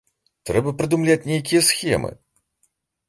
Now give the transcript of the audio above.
Трэба прыдумляць нейкія схемы.